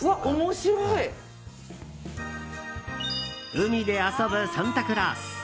海で遊ぶサンタクロース。